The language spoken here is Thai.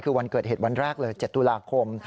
คือวันเกิดเหตุวันแรกเลย๗ตุลาคม